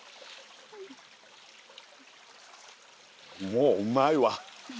もううまいわ。